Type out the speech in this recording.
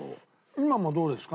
今もどうですか？